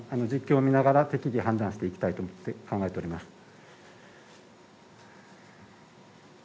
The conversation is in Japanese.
状況を見ながら適宜判断していきたいと思います。